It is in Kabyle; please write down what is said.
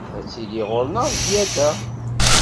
Ad tili ɣur-neɣ zzyada.